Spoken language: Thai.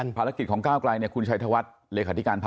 ห์ะรอดเด้อกันภารกิจของก้าวไกรเนี้ยคุณชัยธวัตรห์